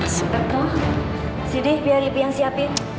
tepo sidi biar ibu yang siapin